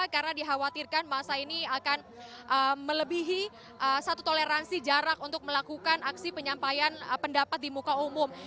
karena dikhawatirkan massa ini akan melebihi satu toleransi jarak untuk melakukan aksi penyampaian pendapat di muka umum